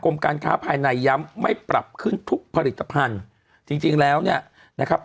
การค้าภายในย้ำไม่ปรับขึ้นทุกผลิตภัณฑ์จริงจริงแล้วเนี่ยนะครับ